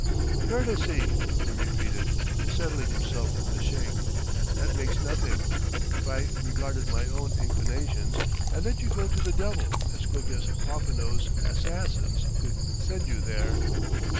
"Courtesy!" he repeated, settling himself with a shake. "That makes nothing. If I regarded my own inclinations, I'd let you go to the devil as quick as Popinot's assassins could send you there!"